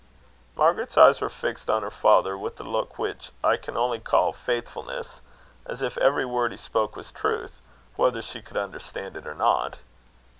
Margaret's eyes were fixed on her father with a look which I can only call faithfulness, as if every word he spoke was truth, whether she could understand it or not.